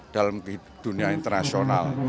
dalam dunia internasional